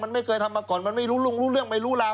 มันไม่เคยทำมาก่อนมันไม่รู้ลุงรู้เรื่องไม่รู้ราว